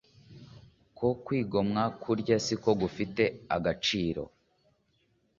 Uko kwigomwa kurya siko gufite agaciro